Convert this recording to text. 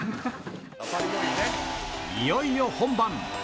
いよいよ本番。